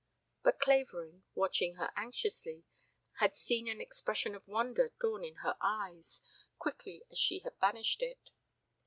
But Clavering, watching her anxiously, had seen an expression of wonder dawn in her eyes, quickly as she had banished it.